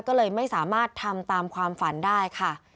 ก็เลยไม่สามารถทำตามความฝันได้ค่ะ